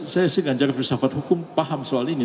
saya sih ganjar filsafat hukum paham soal ini